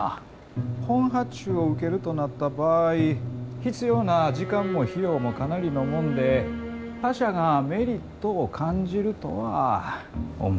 本発注を受けるとなった場合必要な時間も費用もかなりのもんで他社がメリットを感じるとは思えません。